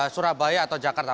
surabaya atau jakarta